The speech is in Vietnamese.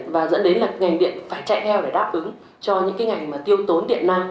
và dẫn đến là ngành điện phải chạy theo để đáp ứng cho những ngành tiêu tốn điện năng